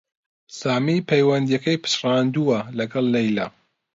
سامی پەیوەندییەکەی پچڕاندووە لەگەڵ لەیلا